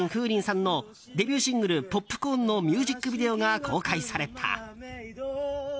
さんのデビューシングル「ＰＯＰＣＯＲＮ」のミュージックビデオが公開された。